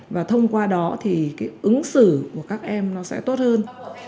và thông qua đó thì cái ứng xử của các em nó sẽ tốt hơn